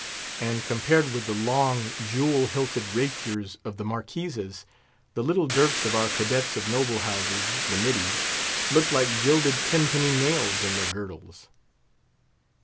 and compared with the long, jewel hilted rapiers of the Marquises, the little dirks of our cadets of noble houses—the middies—looked like gilded tenpenny nails in their girdles.